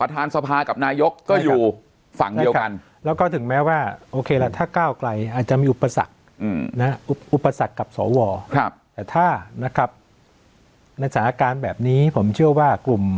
แต่อย่างน้อยก็ยังเป็นภักดิ์ร่วมรัฐบาลด้วยกัน